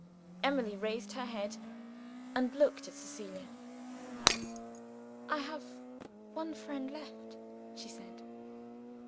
Emily raised her head, and looked at Cecilia. "I have one friend left," she said.